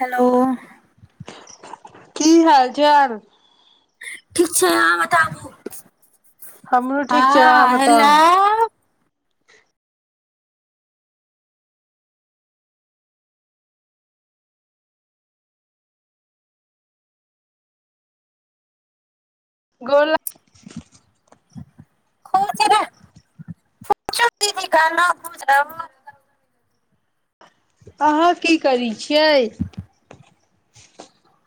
hello की हाल चाल ठीक छै अहाँ बताबू हमरो ठीक छै अहाँ हँ बताउ हेलो गोर ला खोज बुझब अहाँ की करैत छियै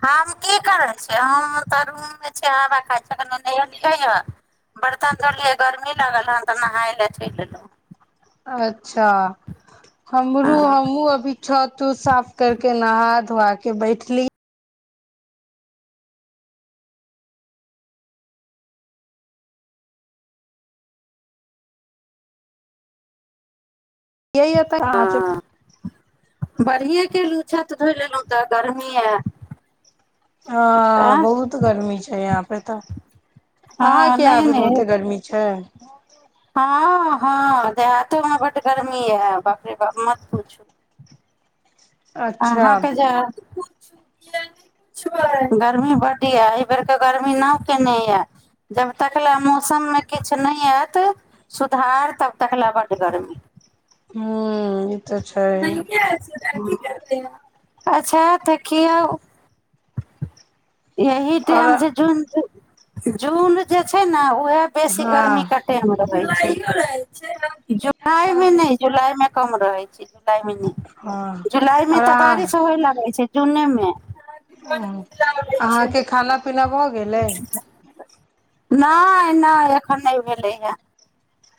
हम की करै छियै हम तऽ रूममे छै हवा खाइत छ नहलियै ह बर्तन धोड़लियै गर्मी लगल हन तऽ नहााय लए चोलि लेलहुँँ अच्छा हमरो हँ हमहुँ अभी छतू साफ करके नहाय तो आके बैठ ली यै तऽ अहाँ सब हँ बढ़िए केलूँ छत धो लेलहुँ तऽ गर्मी ह हँ बहुत गर्मी छै यहाँ पे तऽ हँ अहाँके नहि यपे नहि बहुते गर्मी छै ह हँ हँ देहातो मे बड गर्मी ह बापे बाप मत पूछू अच्छा अहाँके जे गर्मी बड एहि बेरके गर्मी न कयने यए जब तकलए मौसममे किछु नहि आयत सुधार तब तकले बड गरमी हँ नहि आएल छला की अच्छा त देखियौ यहीं आओर टाइम से जून जून जे छै ने ओ वएह बेसी गर्मी हँ का टाइम रहे कइयो रहै छै जुलाई मे नहि जुलाइ मे कम रहै छै जुलाई म हँ जुलाई मे आओर तऽ बारिश होय लागै छै जूने मे ओ अहाँ के खाना पीना भऽ गेलै नहि नहि एखन नहि भेलैए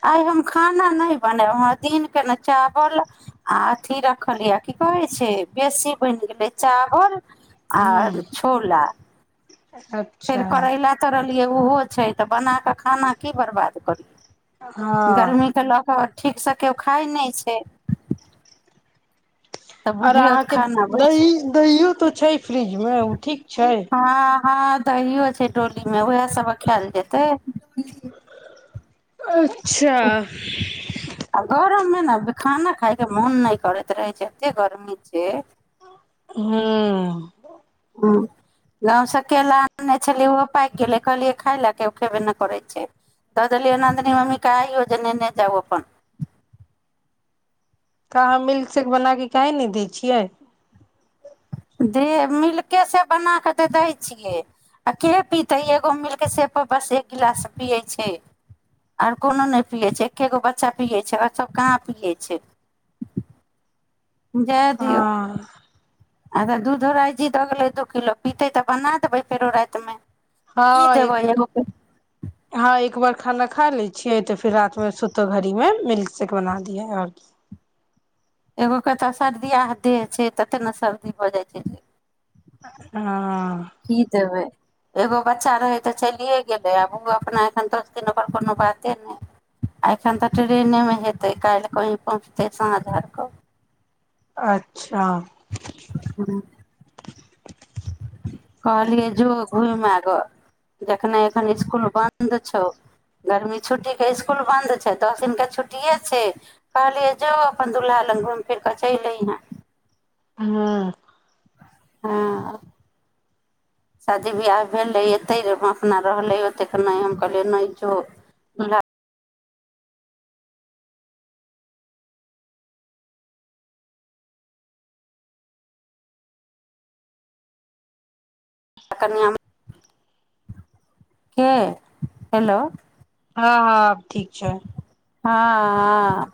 आइ हम खाना नहि बनायब हमरा दिनकेँ ने चावल आ अथि रखलियए की कहै छै बेसी बनि गेलै चावल आ हूँ छोला अच्छा फर करैला तऽरल ओहो छै तऽ बनााकऽ खाना की बर्बाद करियौ हँ गर्मी तऽ लोक ठीकसँ केओ खाइ नहि छै तऽ आर बुझियौ तऽ अहाँके खाना बचि दही दहिओ तऽ छै फ्रिजमे ओ ठीक छै हँ हँ दहियो छै डोलीमे उएह सब खायल जेतै अच्छा मे ने खाना खाायके मोन नहि करैत रहै छै एते गर्मी छै हुँ हुँ गाँवसँ केेला आनने छलियै ओहो पाकि गेलै कहलियै खाय लए क ओ खयबे नहि करै छै दऽ देलियै नदिन मम्मीके आइयौ जे नेने जाउ अपन कहाँ मिल्कशेक बना कऽ की ने दै छियै दे मिलिसे कऽ से बना कऽ तऽ दै छियै आ के पीतै एगो मिलि कऽ सेपर बस एक गिलास पियै छै आर कोनो नहि पियै छै एक्के गो बच्चा पियै छै आओर सभ कहाँ पियै छै हँ आगर तऽ दूधो राइ जी दऽ गेलै दू किलो पीतै तऽ बना देबै फेरो रातिमे की हँ देबै एक एगो हँ एक वर् खाना खा लै छियै तऽ फेर रातिमे सुतो घड़ीमे मिल्कशेक बना दियै आओर एगोक क तऽ सर्दिय देह छै ततेक ने सर्दी भऽ जाइ छै जे हुँ की देबै एगो बच्चा रहै तऽ चलिए गेलै आब ओ अपना एखन दोस दिन ओकर कोनो बाते नहि आ एखन तऽ ट्रेनेमे हेतै काल्हि कहीँ पहुँचतै साँझ आर कऽ अच्छा आँ कहलियै जो घुमि आगह जखन एखन इसकुल बन्द छौ गरमी छुट्टीके इसकुल बन्द छै दस दिनके छुट्टिए छै कहलियै जो अपन दुल्हा लग घुमि फिरि कऽ चलि अइहेँ हुँ हँ शादी बिवाह भेलै एतहि अपना रहलै ओतेक नहि हम कहलियै नहि जो ह हेलो हँ हँ ठीक छै हँ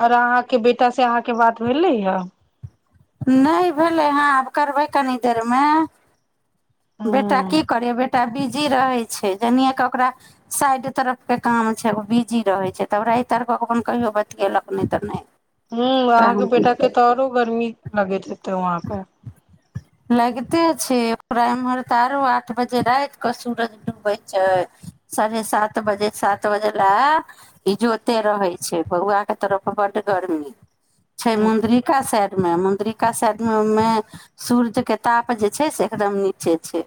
आओर अहाँके बेटा से अहाँके बात भेलै ह नहि भेलै हँ आब करबै कनि देरमे बेटा हूँ की करै बेटा बीज बिजी रहे छै जनिये के ओकरा साइड तरफ के काम छै ओ बिजी रहे छै तऽ ओरा एहि तरफ अपन कहियो बतियेलक नहि तऽ नहि हुँ ओकरा अहाँके हम की बेटााक कहब के तऽ आओरो गर्मी लगे हेते वहाँ पे लागिते छै ओरा एम्हर तऽ आरो आठ बजे राात कऽ सूरज डूबै छै साढ़े सात बजे सात बजे ल ईजोते रहै छै बौआ के तरफ बड गरमी छै मुुद्रीका शायद मुंद्रिका शायद उ मे सूर्य के ताप जे छै से एकदम नीचे छै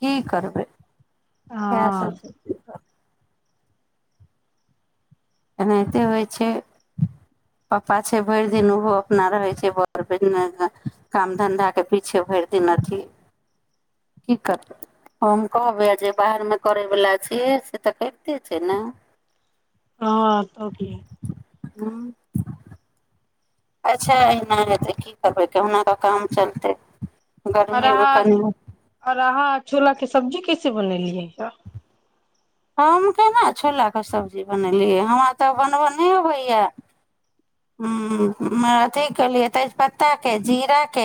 की करबै इहा हँ सबच एनाहिते होइ छै पाप्पा छै भरि दिन ओहो अपना रहै छै बर बि काम धन्धाके पीछे भरि दिन अथि की करबै हम कहबै आ जे बाहरमे करयवला छियै से तऽ करिते छै ने हँ त क हूँ अच्छा एना हेतै की करबै कहुना कऽ काम चलतै आर गर्मीमे रहा कनि आ रहा चूला कें सब्जी कैसे बनेलियै ता हम केना छोलाके सब्जी बनेलियै हमरा तऽ बनबय नहि अबैए हं अथि केलियै तेजपत्ताके जीराके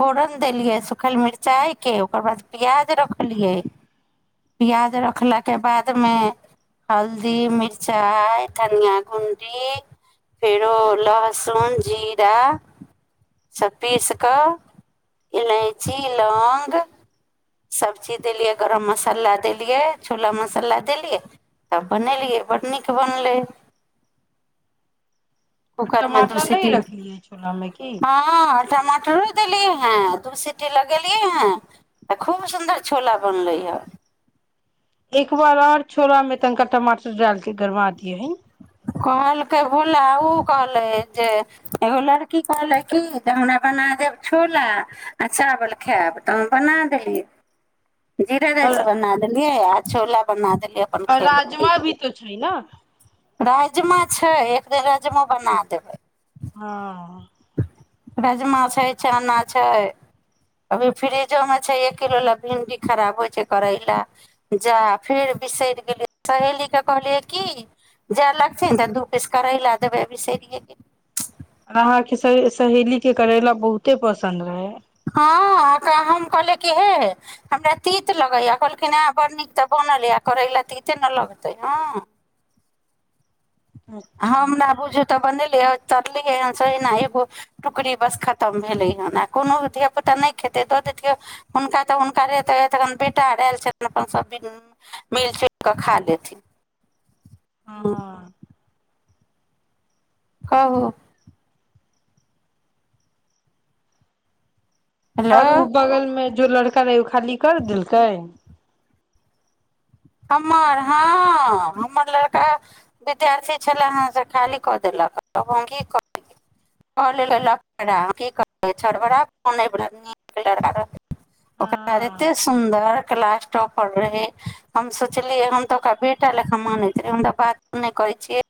फोरन देलियै सूखल मिरचाइके ओकर बाद प्याज रखलियै प्याज रखलाके बादमे हल्दी मिर्चाइ धनियााँ गुणडी फेरो लहसुन जीरा सभ पीस कऽ इलायची लौंग सभचीज देलियै गरम मसाला देलियै छोला मसाला देलियै तब बनेलियै बड्ड नीक बनलै कुकर मे दूस टमाटर नहि दी रखलियै छोला मे की हँ टमाटर देलियै हैं दू सीटी लगेलियै हें तऽ खूब सुन्दर छोला बनले हे एक बार आऔर छोला मे तनिका टमाटर डालके गरमा दए है कहलकै भोला ओ कहलै जे एगो लड़की कहलै किी जे हमरा बना देब छोला आ चावल खायब तऽ हम बना देली जीरा और राइस बना देलियै आ छोला बना देलियै अपन खेलके राजमा भी तो छै ने राजमा छै एक दिन राजमाो बना देबै हँ राजमा छै चना छै अभी फ्रिजोमे छै एक किलो लए भिंडी खराब होइ छै करैला जा फेर बिसरि गेलियै सहेलीकेँ कहलियै की जाय लगथिन तऽ दू पीस करैला देबै बिसरिियए क र अहां के सहेली के करेला बहुते पसंन्द रहे हँ हम कहलिय कि हे हमरा तीत लगैएा कहलखिन हँ बड़ नीक तऽ बनल य आ करै ल तीते ने लगतै हँ अच्छा हमरा बुझु तऽ बनेलियै तरलियै हन से एहिना एगो टुकड़ी बस खतम भेलै हन आ कोनो धियापुता नहि खेतै दऽ देथिियै हुनका तऽ हुनकरे तऽन बेटा आर आयल छथिन अपन सभद मिल जुलि कऽ खा लेथिन हँ, हाँ कहु हेलो आर ओ बगलमें जो लड़का करे ओ खाली कर देलकै हमर हँ हमर लड़का विद्यार्थी छले हेँ से खाली कऽ देलक तब हम की कर कहल ल की छोरा कें फोन आबि ओकररा हँ एते सुन्दर क्लास टापर रहे हम सोचलियै हम तऽ ओकरा बेटा लेखा मानैत रह हम त बात नहि करै छियै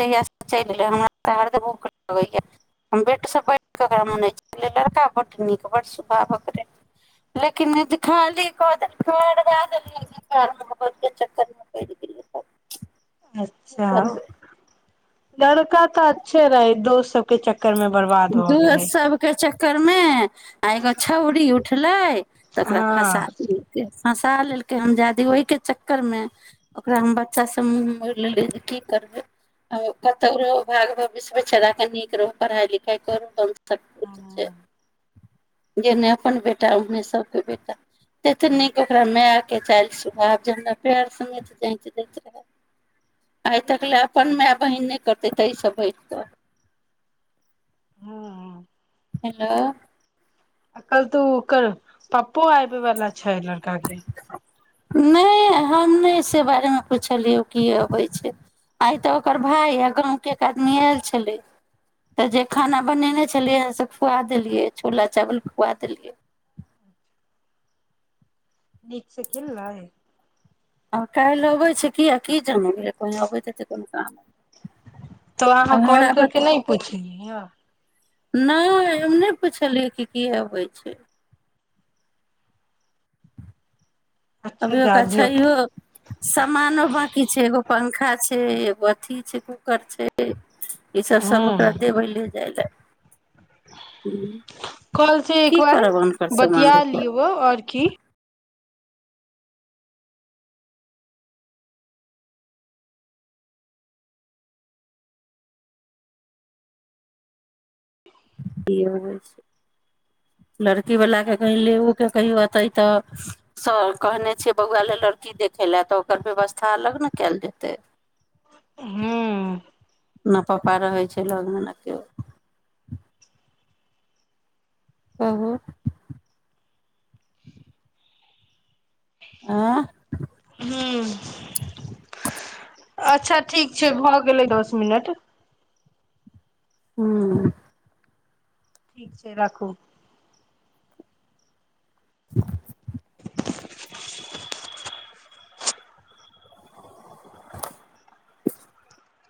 जहिया चलि एले हमरा भूख लगैय हम बेटसँ बैरा मन लड़का ब नीक ब सुखाव रह लेकिनीह चक प अच्छा लड़का तऽ अच्छे रहै दोस्त सब के चक् दोस सबके चक्कर करने म आ एगो छौउरी उठले तकरा फसा हँ द हँसा लेलके हरमजाादी ओहि के चक्कर में ओकरा हम बच्चा सबड़ लेले जे की करबे कतौ रहो भाग भविष्य बचारा के नीक रहो पढ़ाई लिख क कर क छै जेहने अपन बेटा ओहने सभके बेटा ततनीक ओकरा मायके चालि सुह आब जरा पएर समेत जाँति दैत रहय आइ तक लए अपन माय बहीन नहि करतै ताहिसँ बैठतऽ हँ हेलो कल तू ओकर पप्पो आयब बला छै लड़काके नहि हम नहि से बारेमे पुछलियै की अबै छै आइ तऽ ओकर भाय आ गाँवके एक आदमी आयल छलै तऽ जे खाना बनेने छलियै हे से खुआ देलियै छोला चावल खुआ देलियै नीक से खेलल ह आ काल्हि अबै छै किया की जमन कह अबै ततऽ कोनो काम तो अहाँ आब कॉल हमरा बत करके नहि पुछलियै ह नहि हम नहि पुछलियै क की अबै छै अच्छा अभियो जा क दियौ छैयो सामानो बकी छै एगो पंखा छै एगो अथी छै ओकर छै ई सब सब ओकरा देबै ले जाय ले कल से एक की बार करब हुनकर सामान बतिया देखब लिय आओर की क होइ छै लड़कीवलाके कह ले ओके कहियौ अतै तऽ स कहने छियै बौआ लए लड़की देखय लए तऽ ओकर व्यवस्था अलग ने कयल जेतै ह नहि पापा रहै छै लगमे ने केओ कहु आँ ह अच्छा ठीक छै भऽ गेलै दस मिनट हूँ ठीक छै राखू [unintelligible]